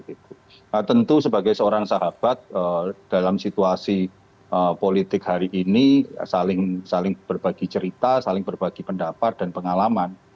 nah tentu sebagai seorang sahabat dalam situasi politik hari ini saling berbagi cerita saling berbagi pendapat dan pengalaman